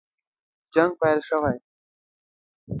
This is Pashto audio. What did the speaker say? جنګ پیل شوی دی.